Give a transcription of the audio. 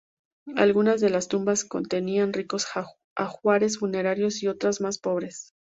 Algunas de las tumbas contenían ricos ajuares funerarios y otras más pobres.